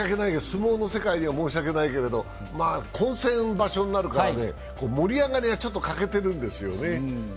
相撲の世界には申し訳ないけれど、混戦場所になるから、盛り上がりはかけているんですよね。